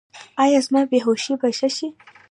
ایا زما بې هوښي به ښه شي؟